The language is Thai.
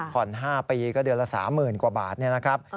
๕ปีก็เดือนละ๓๐๐๐กว่าบาทนี่นะครับ